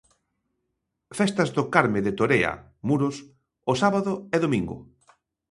Festas do Carme de Torea, Muros, o sábado e domingo.